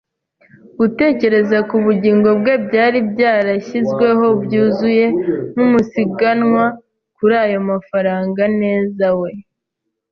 gutekereza ku bugingo bwe byari byarashyizweho byuzuye, nkumusiganwa, kuri ayo mafaranga; neza, we